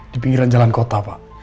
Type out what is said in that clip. di pinggiran jalan kota pak